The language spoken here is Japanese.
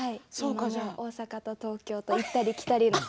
大阪と東京を行ったり来たり。